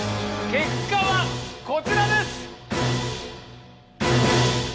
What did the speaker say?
結果はこちらです！